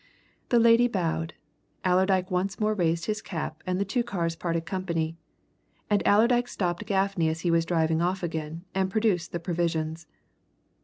The lady bowed; Allerdyke once more raised his cap; the two cars parted company. And Allerdyke stopped Gaffney as he was driving off again, and produced the provisions.